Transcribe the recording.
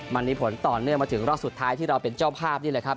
มันมีผลต่อเนื่องมาถึงรอบสุดท้ายที่เราเป็นเจ้าภาพนี่แหละครับ